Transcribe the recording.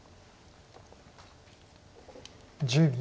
１０秒。